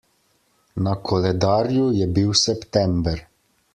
Na koledarju je bil september.